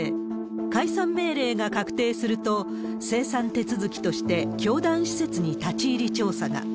解散命令が確定すると、清算手続きとして教団施設に立ち入り調査が。